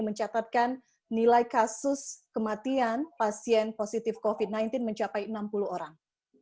mencatatkan nilai kasus kematian pasien positif covid sembilan belas mencapai enam puluh orang